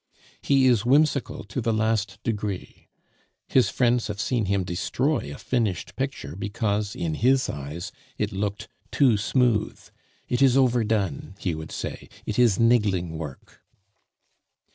He is whimsical to the last degree. His friends have seen him destroy a finished picture because, in his eyes, it looked too smooth. "It is overdone," he would say; "it is niggling work."